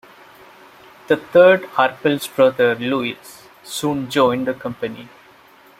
The third Arpels brother, Louis, soon joined the company.